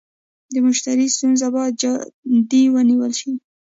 د مشتري ستونزه باید جدي ونیول شي.